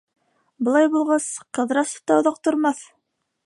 Былай булғас, Ҡыҙрасов та оҙаҡ тормаҫ...